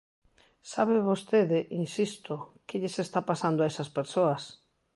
¿Sabe vostede –insisto– que lles está pasando a esas persoas?